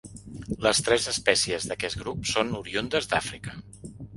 Les tres espècies d'aquest grup són oriündes d'Àfrica.